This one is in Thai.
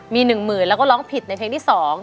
มีหนึ่งหมื่นแล้วก็ร้องผิดในเพลงที่สอง